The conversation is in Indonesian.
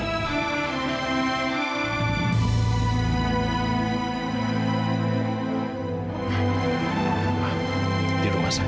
mama di rumah saya